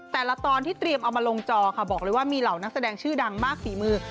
ตอนที่เตรียมเอามาลงจอค่ะบอกเลยว่ามีเหล่านักแสดงชื่อดังมากฝีมือ